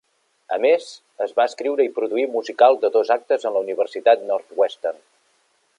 A més, es va escriure i produir un musical de dos actes en la Universitat Northwestern.